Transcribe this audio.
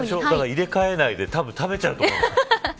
入れ替えないでたぶん食べちゃうと思う。